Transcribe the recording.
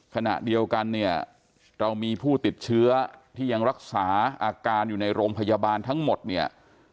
ขณะเดียวกันเนี่ยเรามีผู้ติดเชื้อที่ยังรักษาอาการอยู่ในโรงพยาบาลทั้งหมดเนี่ย